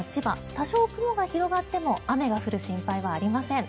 多少、雲が広がっても雨が降る心配はありません。